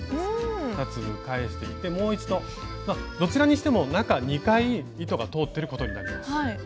２粒返してきてもう一度どちらにしても中２回糸が通ってることになります。